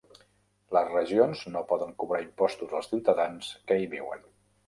Les regions no poden cobrar impostos als ciutadans que hi viuen.